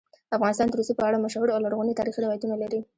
افغانستان د رسوب په اړه مشهور او لرغوني تاریخی روایتونه لري.